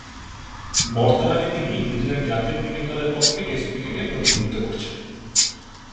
বর্তমানে তিনি নিউজিল্যান্ড জাতীয় ক্রিকেট দলের পক্ষে টেস্ট ক্রিকেটে প্রতিনিধিত্ব করছেন।